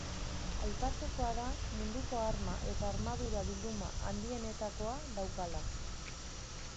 Aipatzekoa da munduko arma eta armadura bilduma handienetakoa daukala.